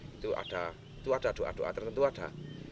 itu ada doa doa tertentu ada